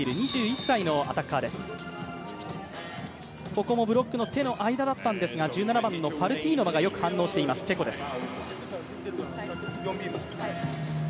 ここもブロックの手の間だったんですが、１７番のファルティーノバがよく反応しています、チェコです。